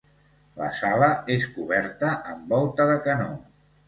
La sala és coberta amb volta de canó.